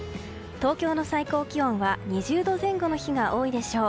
東京の最高気温は２０度前後の日が多いでしょう。